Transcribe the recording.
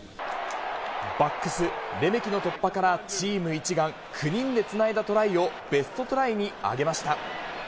バックス、レメキの突破から、チーム一丸、９人でつないだトライを、ベストトライに挙げました。